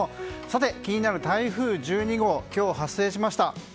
気になる台風１２号今日発生しました。